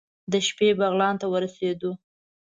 د شپې بغلان ته ورسېدو.